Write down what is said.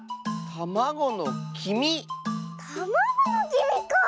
たまごのきみかあ。